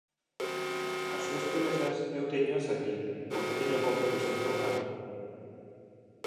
As súas promesas eu téñoas aquí, porque teño a copia do seu programa.